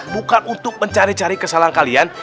bukan untuk mencari cari kesalahan kalian